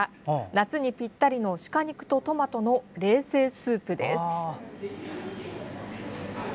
夏にぴったりの鹿肉とトマトの冷製スープです。